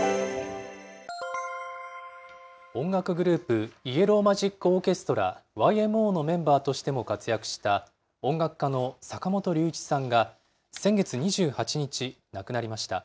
音楽グループ、イエロー・マジック・オーケストラ・ＹＭＯのメンバーとしても活躍した、音楽家の坂本龍一さんが先月２８日、亡くなりました。